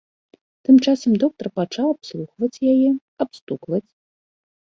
Тым часам доктар пачаў абслухваць яе, абстукваць.